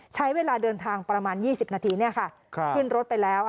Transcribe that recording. ใช้เวลาเดินทางประมาณ๒๐นาทีขึ้นรถไปแล้ว